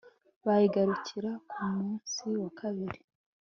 bayigarurira ku munsi wa kabiri